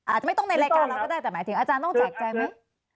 อาจจะไม่ต้องในรายการเราก็ได้แต่หมายถึงอาจารย์ต้องแจกแจงไหม